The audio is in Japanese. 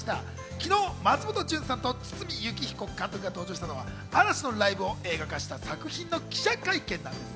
昨日、松本潤さんと堤幸彦監督が登場したのは嵐のライブを映画化した作品の記者会見です。